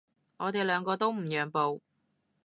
我哋兩個都唔讓步